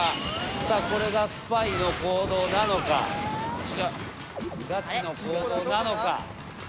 さあこれがスパイの行動なのかガチの行動なのか。